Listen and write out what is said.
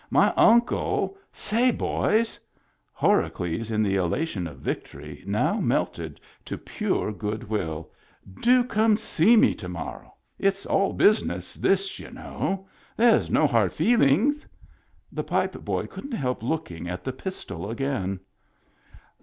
My Uncle — say, boys I " (Horacles in the elation of victory now melted to pure good will) "do come see me to morrow. It's all business, this, you know. There's no hard feelings ?" The pipe boy couldn't help looking at the pis tol again.